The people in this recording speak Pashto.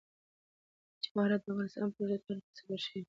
جواهرات د افغانستان په اوږده تاریخ کې ذکر شوی دی.